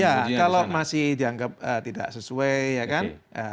ya kalau masih dianggap tidak sesuai ya kan